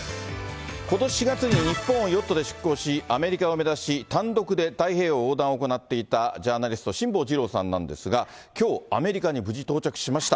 ことし４月に日本をヨットで出港し、アメリカを目指し、単独で太平洋横断を行っていたジャーナリスト、辛坊治郎さんなんですが、きょう、アメリカに無事、到着しました。